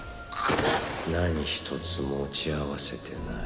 何一つ持ち合わせてない。